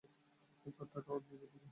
একবার তাকাও নিজের দিকে।